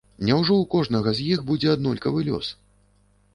Няўжо ў кожнага з іх будзе аднолькавы лёс?